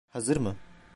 Hazır mı?